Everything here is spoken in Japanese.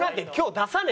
「出さねえ」？